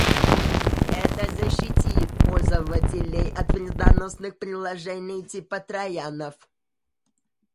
Это защитит пользователей от вредоносных приложений типа троянов